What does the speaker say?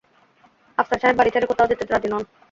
আফসার সাহেব বাড়ি ছেড়ে কোথাও যেতে রাজি নন।